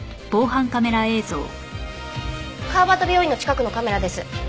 河端病院の近くのカメラです。